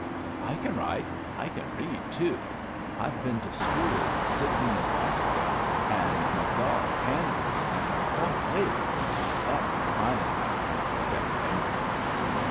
"I can write, an' I can read too. I've been to school in Sidney, Nebraska, an' Magaw, Kansas, an' Salt Lake that's the finest town except Denver."